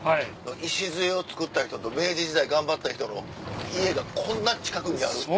礎をつくった人と明治時代頑張った人の家がこんな近くにあるって。